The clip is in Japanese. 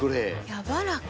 やわらか。